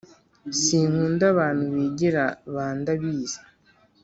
Sinkunda abantu bigira ba ndabizi